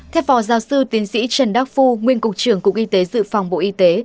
theo phó giáo sư tiến sĩ trần đắc phu nguyên cục trưởng cục y tế dự phòng bộ y tế